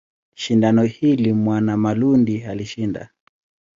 Shindano hili Mwanamalundi alishinda.